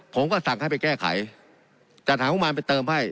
ผมก็สั่งให้ไปแก้ไขจัดหางบมารไปเติมให้